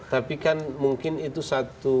tapi kan mungkin itu satu